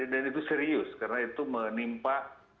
dan itu serius karena itu menimpa